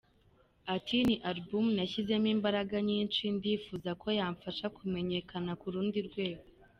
Ati “Ni album nashyizemo imbaraga nyinshi, ndifuza ko yamfasha kumenyekana ku rundi rwego.